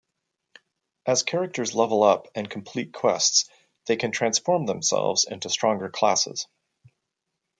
As characters level up and complete quests, they can transform themselves into stronger classes.